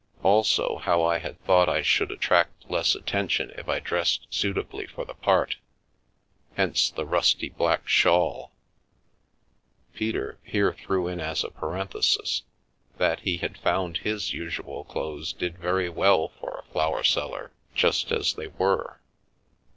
Also how I had thought I should attract less attention if I dressed suitably for the part, hence the rusty black shawl. Peter here threw in as a parenthesis that he had found his usual clothes did very well for a flower seller just as they were.